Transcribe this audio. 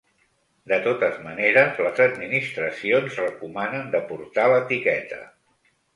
De totes maneres, les administracions recomanen de portar l’etiqueta.